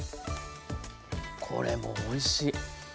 これもおいしい。